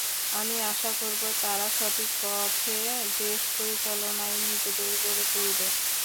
আমি আশা করব, তারা সঠিক পথে দেশ পরিচালনায় নিজেদের গড়ে তুলবে।